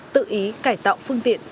tự ý cải tạo phương tiện